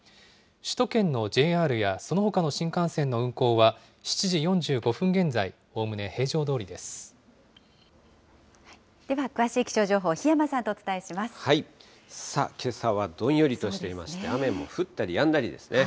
首都圏のＪＲやそのほかの新幹線の運行は、７時４５分現在、では、詳しい気象情報、檜山さあ、けさはどんよりとしていまして、雨も降ったりやんだりですね。